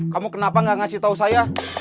kamu kenapa gak ngasih tahu saya